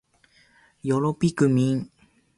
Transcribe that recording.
よろぴくみん